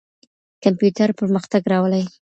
کمپيوټر پرمختګ راولي.